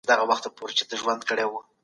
د لویي جرګې مشري څوک کوي؟